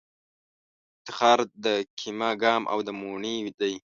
افتخار د کېمه ګام او د موڼی دی